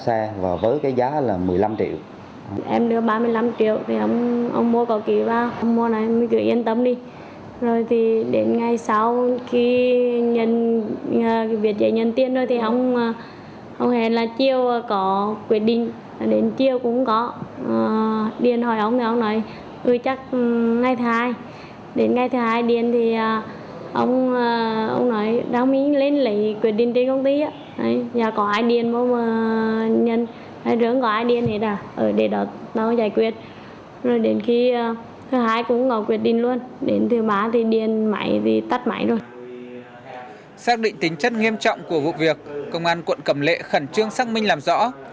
xác định tính chất nghiêm trọng của vụ việc công an quận cầm lệ khẩn trương xác minh làm rõ